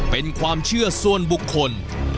เป็นความเชื่อส่วนบุคคล